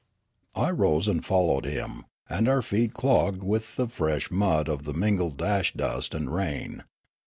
I rose and followed him, and our feet were clogged with the fresh mud of the mingled ash dust and rain.